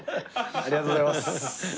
ありがとうございます！